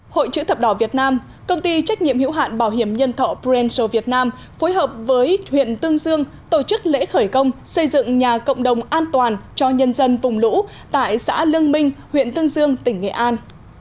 hội chữ thập đỏ việt nam công ty trách nhiệm hữu hạn bảo hiểm nhân thọ preensil việt nam phối hợp với huyện tương dương tổ chức lễ khởi công xây dựng nhà cộng đồng an toàn cho nhân dân vùng lũ tại xã lương minh huyện tương dương tỉnh nghệ an